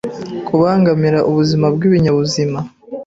Kubangamira ubuzima bwibinyabuzima